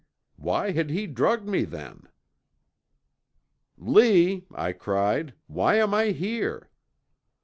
Why had he drugged me then? "'Lee,' I cried, 'why am I here?'